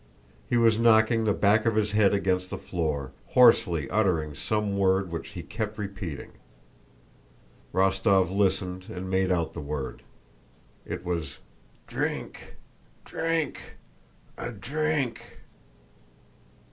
He was knocking the back of his head against the floor, hoarsely uttering some word which he kept repeating. Rostóv listened and made out the word. It was "drink, drink, a drink!"